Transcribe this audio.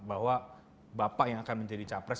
bahwa bapak yang akan menjadi capres